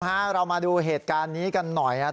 เรามาดูเหตุการณ์นี้กันหน่อยนะครับ